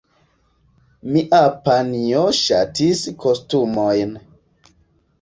Mia panjo ŝatis kostumojn.